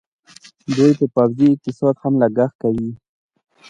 دوی په پوځي اقتصاد هم لګښت کوي.